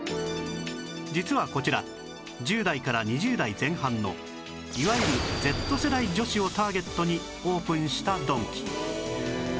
実はこちら１０代から２０代前半のいわゆる Ｚ 世代女子をターゲットにオープンしたドンキ